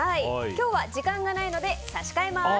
今日は時間がないので差し替えます。